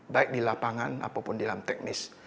baik di lapangan apapun di dalam teknis